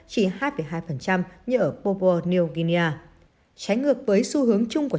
chỉ hai hai như ở popo new guinea trái ngược với xu hướng chung của